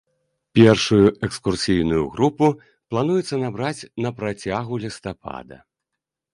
Першую экскурсійную групу плануецца набраць на працягу лістапада.